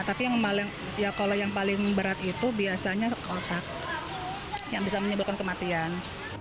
tapi yang paling berat itu biasanya otak yang bisa menyebabkan kematian